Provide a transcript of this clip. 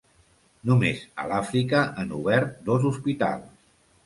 Només a l'Àfrica han obert dos hospitals.